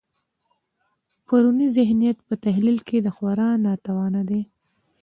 پرونی ذهنیت په تحلیل کې خورا ناتوانه دی.